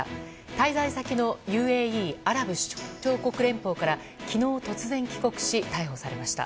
滞在先のＵＡＥ・アラブ首長国連邦から昨日突然、帰国し逮捕されました。